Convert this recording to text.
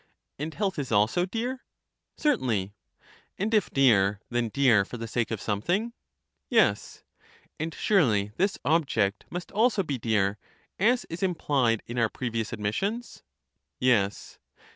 And health is also dear? Certainly. 74 LYSIS And if dear, then dear for the sake of something? Yes. And surely this object must also be dear, as is im plied in our previous admissions? Yes.